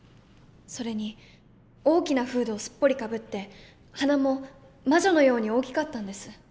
それに大きなフードをすっぽりかぶって鼻も魔女のように大きかったんです。